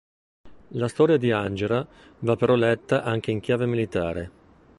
La storia di Angera va però letta anche in chiave militare.